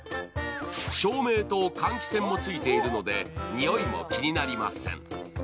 照明と換気扇もついているのでにおいも気になりません。